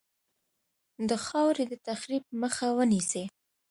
د خاورې د تخریب مخه ونیسي.